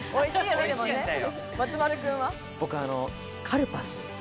僕、カルパス。